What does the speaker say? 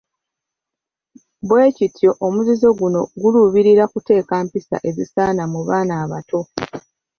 Bwe kityo omuzizo guno guluubirira kuteeka mpisa ezisaana mu baana abato.